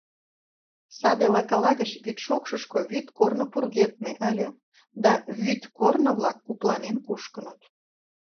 Саде лакыла гыч вӱдшокшышко вӱд корно пургедме ыле, да вӱд корно-влак купланен кушкыныт.